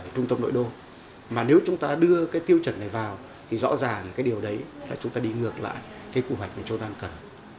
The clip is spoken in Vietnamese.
tiêu chuẩn này vào thì rõ ràng cái điều đấy là chúng ta đi ngược lại cái cụ mạch mà chúng ta cần